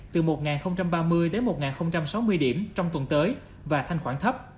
từ một nghìn ba mươi đến một nghìn sáu mươi điểm trong tuần tới và thanh khoản thấp